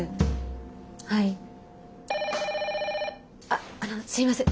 ☎あっあのすいません。